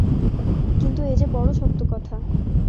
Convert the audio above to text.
কিন্তু এ যে বড়ো শক্ত কথা।